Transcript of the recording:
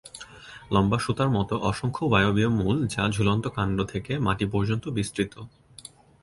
লম্বা সুতার মত অসংখ্য বায়ুবীয় মূল যা ঝুলন্ত কাণ্ড থেকে মাটি পর্যন্ত বিস্তৃত।